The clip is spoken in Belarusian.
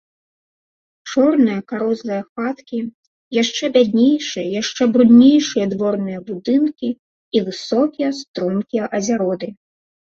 Чорныя карузлыя хаткі, яшчэ бяднейшыя, яшчэ бруднейшыя дворныя будынкі і высокія стромкія азяроды.